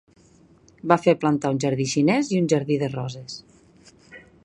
Va fer plantar un jardí xinès i un jardí de roses.